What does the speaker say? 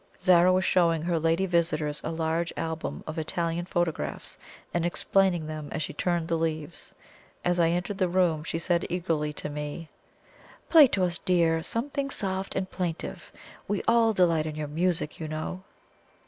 Zara was showing her lady visitors a large album of Italian photographs, and explaining them as she turned the leaves. As I entered the room, she said eagerly to me: "Play to us, dear! Something soft and plaintive. We all delight in your music, you know."